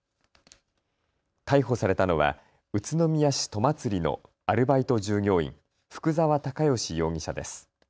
逮捕されたのは宇都宮市戸祭のアルバイト従業員、福澤剛淳容疑者です。